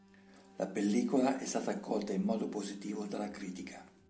La pellicola è stata accolta in modo positivo dalla critica.